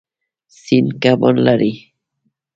سیند کبان لري.